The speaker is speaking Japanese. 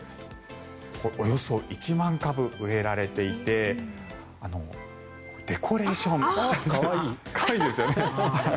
およそ１万株植えられていてデコレーションしたりとか可愛いですよね。